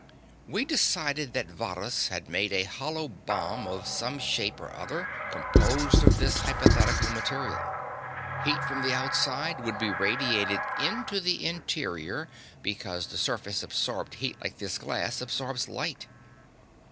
We decided that Varrhus had made a hollow bomb of some shape or other, composed of this hypothetical material. Heat from the outside would be radiated into the interior because the surface absorbed heat like this glass absorbs light.